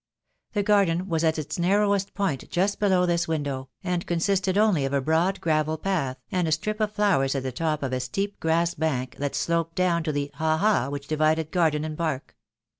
The garden was at its narrowest point just below this window, and consisted only of a broad gravel path, and a strip of flowers at the top of a steep grass bank that sloped down THE DAY WILL COME. I I I to the ha ha which divided garden and park.